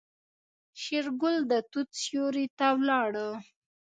شېرګل د توت سيوري ته ولاړ.